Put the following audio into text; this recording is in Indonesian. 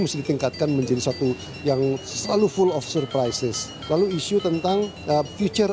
mesti ditingkatkan menjadi satu yang selalu full of surprises lalu isu tentang future